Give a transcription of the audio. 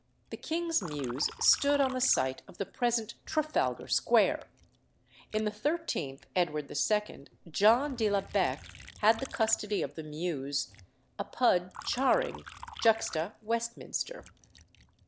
The King's Mews stood on the site of the present Trafalgar Square. In the 13th Edward II. John de la Becke had the custody of the Mews "apud Charing, juxta Westminster."